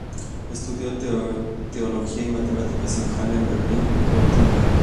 Estudió teología y matemáticas en Halle, Berlín y Gotinga.